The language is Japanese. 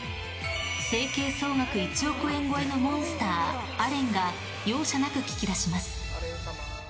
整形総額１億円超えのモンスターアレンが容赦なく聞き出します。